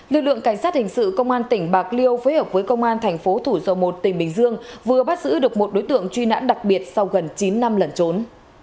lực lượng cảnh sát hình sự công an tỉnh bạc liêu phối hợp với công an thành phố thủ dầu một tỉnh bình dương vừa bắt giữ được một đối tượng truy nãn đặc biệt sau gần chín năm lẩn trốn